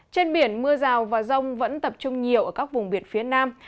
trên biển mưa rào và rông vẫn tập trung nhiều ở các vùng biển phía nam